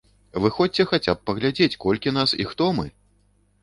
Выходзьце хаця б паглядзець, колькі нас і хто мы!